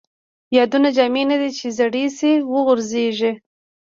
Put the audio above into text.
یادونه جامې نه دي ،چې زړې شي وغورځيږي